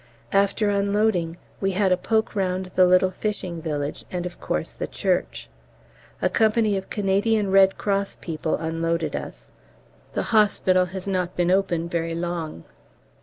After unloading we had a poke round the little fishing village, and of course the church. A company of Canadian Red Cross people unloaded us. The hospital has not been open very long.